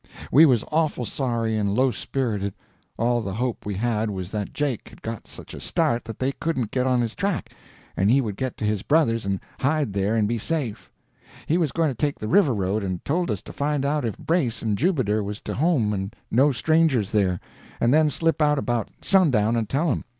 We was awful sorry and low spirited. All the hope we had was that Jake had got such a start that they couldn't get on his track, and he would get to his brother's and hide there and be safe. He was going to take the river road, and told us to find out if Brace and Jubiter was to home and no strangers there, and then slip out about sundown and tell him.